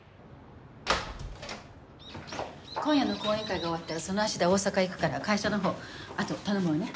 今夜の講演会が終わったらその足で大阪行くから会社のほうあと頼むわね。